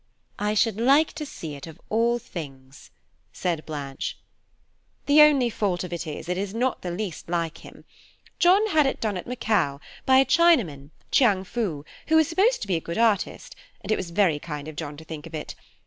"I should like to see it of all things," said Blanche. "The only fault of it is that it is not the least like him. John had it done at Macao, by a Chinaman, Chiang Foo, who was supposed to be a good artist: and it was very kind of John to think of it.